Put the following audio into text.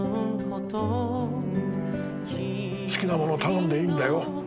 好きなもの頼んでいいんだよ。